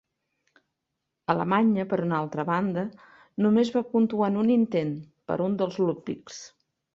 Alemanya, per una altra banda, només va puntuar en un intent, per un dels Ludwigs.